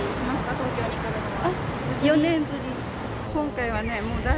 東京に来るのは。